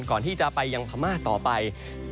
ก่อนที่จะไปยังพม่าต่อไป